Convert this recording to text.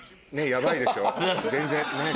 「ヤバいでしょ？」。